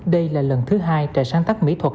đây là lần thứ hai trại sáng tác mỹ thuật